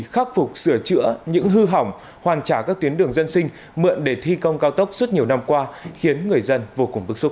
khắc phục sửa chữa những hư hỏng hoàn trả các tuyến đường dân sinh mượn để thi công cao tốc suốt nhiều năm qua khiến người dân vô cùng bức xúc